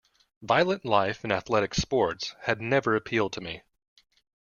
Violent life and athletic sports had never appealed to me.